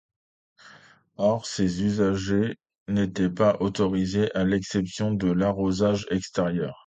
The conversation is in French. Or, ces usages n’étaient pas autorisés, à l’exception de l’arrosage extérieur.